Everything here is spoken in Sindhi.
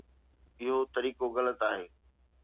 اهو طريقو غلط آهي.